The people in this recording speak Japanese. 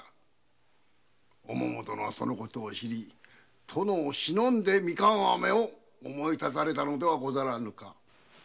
お桃殿はその事を知り殿をしのんで「ミカンアメ」を思いたたれたのではござらぬか？